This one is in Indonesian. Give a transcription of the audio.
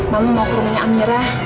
kamu mau ke rumahnya amirah